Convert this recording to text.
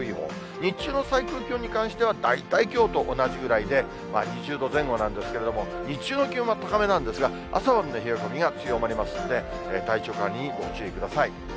日中の最高気温に関しては、大体きょうと同じぐらいで、２０度前後なんですけれども、日中の気温は高めなんですが、朝晩の冷え込みが強まりますので、体調管理にご注意ください。